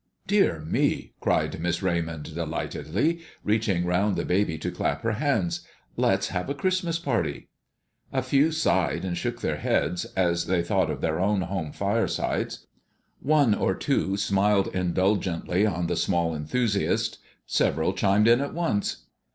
"Dear me!" cried Miss Raymond, delightedly, reaching round the baby to clap her hands; "let's have a Christmas party!" A few sighed and shook their heads, as they thought of their own home firesides; one or two smiled indulgently on the small enthusiast; several chimed in at once.